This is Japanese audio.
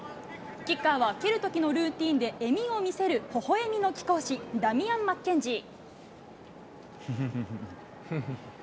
キッカーは、蹴るときのルーティンで、笑みを見せるほほえみの貴公子、ダミアン・マッケンジー。